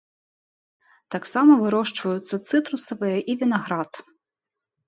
Таксама вырошчваюцца цытрусавыя і вінаград.